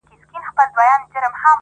• خوب كي گلونو ســـره شپـــــې تېــروم.